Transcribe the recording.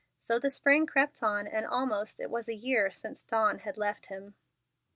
So the spring crept on, and almost it was a year since Dawn had left him.